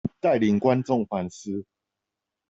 帶領觀眾反思